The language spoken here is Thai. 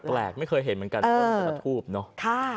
ไม่เคยเห็นเหมือนกันต้นพระทูปเนอะ